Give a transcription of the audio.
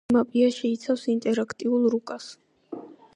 ვიკიმაპია შეიცავს ინტერაქტიულ რუკას.